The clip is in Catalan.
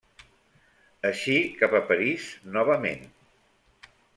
Eixí cap a París novament.